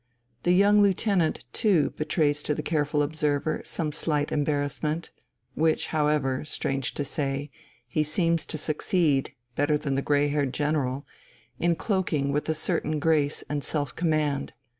The young lieutenant too betrays to the careful observer some slight embarrassment, which however, strange to say, he seems to succeed, better than the grey haired general, in cloaking with a certain grace and self command.